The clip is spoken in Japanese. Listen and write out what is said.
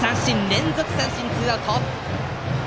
連続三振、ツーアウト！